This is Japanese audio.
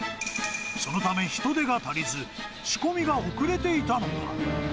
そのため、人手が足りず、仕込みが遅れていたのだ。